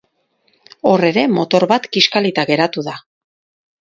Hor ere, motor bat kiskalita geratu da.